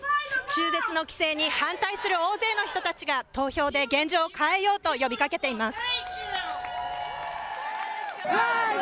中絶の規制に反対する大勢の人たちが投票で現状を変えようと呼びかけています。